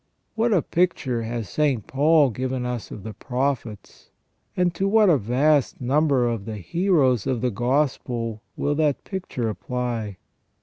What a picture has St. Paul given us of the Prophets, and to what a vast number of the heroes of the Gospel will that picture apply.